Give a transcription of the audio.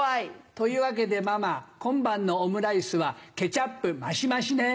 というわけでママ今晩のオムライスはケチャップ増し増しね。